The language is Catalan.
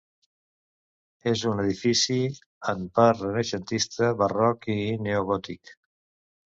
És un edifici en part renaixentista, barroc i neogòtic.